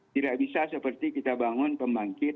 tidak bisa seperti kita bangun pembangkit